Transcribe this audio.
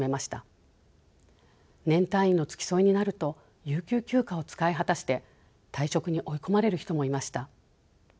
年単位の付き添いになると有給休暇を使い果たして退職に追い込まれる人もいました。